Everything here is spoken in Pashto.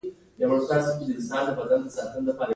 دا پروګرامونه په پوره دقت سره ډیزاین او اجرا کیږي.